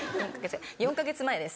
４か月前です。